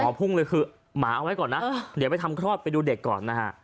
พุ่งเลยคือหมาเอาไว้ก่อนนะเดี๋ยวไปทำคลอดไปดูเด็กก่อนนะฮะ